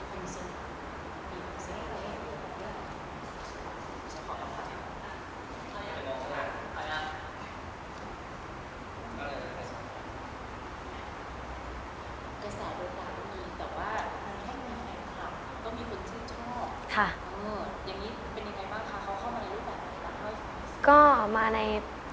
อย่างนี้เป็นยังไงบ้างคะเขาเข้ามาในรูปแบบติดตามให้